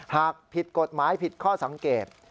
หากผิดกฎหมายผิดข้อสังเกต